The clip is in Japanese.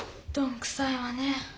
どんくさいわね。